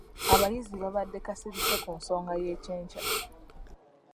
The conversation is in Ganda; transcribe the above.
Abayizi babadde kasirise ku nsonga y'ekyenkya.